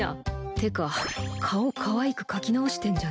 てか顔かわいく描き直してんじゃねえよ。